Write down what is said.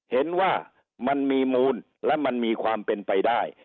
เห็นว่ามันมีมูลและมันมีความเป็นไปได้